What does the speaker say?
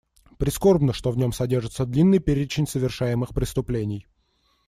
Прискорбно, что в нем содержится длинный перечень совершаемых преступлений.